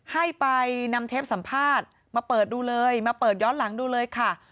ให้ไปนำเทปสัมภาษณ์มาเปิดดูเลยมาเปิดย้อนหลังดูเลยค่ะ